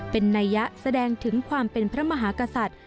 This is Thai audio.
เป็นนัยยะแสดงถึงความเป็นพระมหากษัตริย์